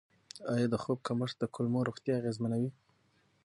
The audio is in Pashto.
آیا د خوب کمښت د کولمو روغتیا اغېزمنوي؟